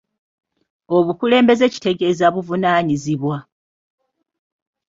Obukulembze kitegeeza buvunaanyizibwa.